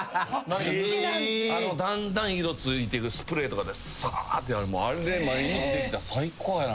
あのだんだん色付いてくスプレーとかでサーってあれ毎日できたら最高やなと。